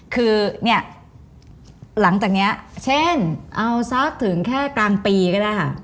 คือเนี่ยหลังจากนี้เช่นเอาสักถึงแค่กลางปีก็ได้ค่ะ